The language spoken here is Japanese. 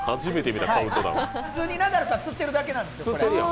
普通にナダルさん釣ってるだけなんですよ。